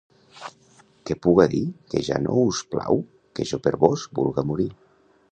Que puga dir que ja no us plau que jo per vós vulga morir.